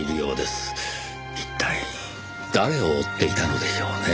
一体誰を追っていたのでしょうねぇ？